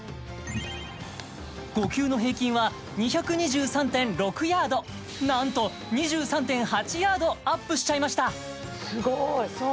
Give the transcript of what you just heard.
５球の平均は２２３．６ヤードなんと２３．８ヤードアップしちゃいました